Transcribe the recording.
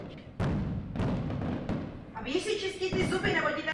Díla jsou tematicky rozčleněna do skupin.